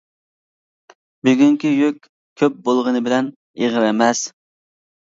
بۈگۈنكى يۈك كۆپ بولغىنى بىلەن ئېغىر ئەمەس!